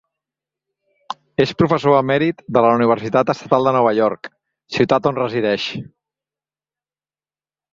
És professor emèrit de la Universitat Estatal de Nova York, ciutat on resideix.